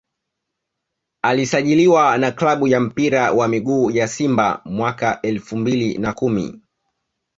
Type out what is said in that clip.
Alisajiliwa na klabu ya mpira wa miguu ya Simba mwaka elfu mbili na kumi